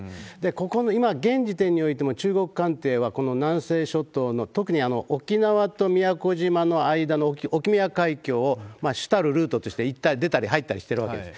ここの今、現時点においても中国艦艇は、この南西諸島の、特に沖縄と宮古島の間の沖・宮海峡を主たるルートとして行ったり、出たり入ったりしてるわけです。